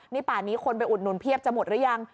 นี่ป่านนี้คนไปอุดหนุนเพียบจะหมดหรือยัง